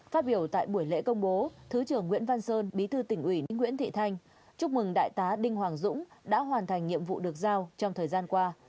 phát biểu tại buổi lễ công bố thứ trưởng nguyễn văn sơn bí thư tỉnh ủy nguyễn thị thanh chúc mừng đại tá đinh hoàng dũng đã hoàn thành nhiệm vụ được giao trong thời gian qua